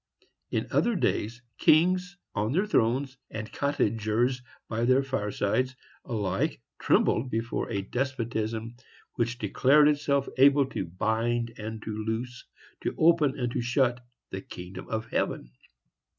In other days, kings on their thrones, and cottagers by their firesides, alike trembled before a despotism which declared itself able to bind and to loose, to open and to shut the kingdom of heaven.